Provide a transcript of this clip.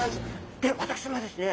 で私はですね